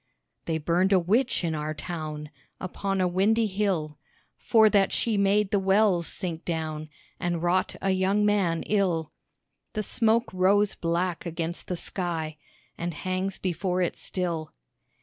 They burned a witch in our town, Upon a windy hill, For that she made the wells sink down And wrought a young man ill, The smoke rose black against the sky, And hangs before it still.